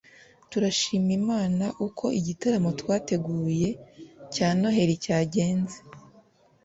“Turashima Imana uko igitaramo twateguye cya Noheli cyagenze